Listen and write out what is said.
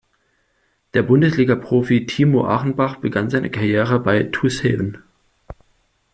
Der Bundesligaprofi Timo Achenbach begann seine Karriere beim "TuS Heven".